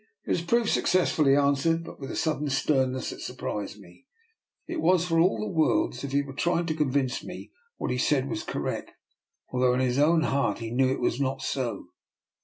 " It has proved successful," he answered, but with a sudden sternness that surprised me. It was for all the world as if he were trying to convince me that what he said was correct, although in his own heart he knew it was not so.